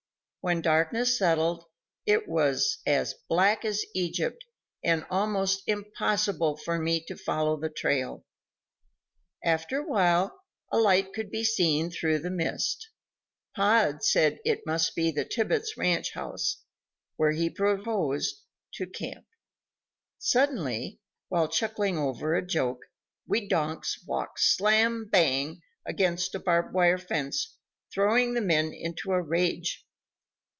When darkness settled, it was as black as Egypt and almost impossible for me to follow the trail. After a while a light could be seen through the mist; Pod said it must be the Tibbits' ranchhouse, where he proposed to camp. Suddenly, wwhile chuckling over a joke, we donks walked slam bang against a barbed wire fence, throwing the men into a rage.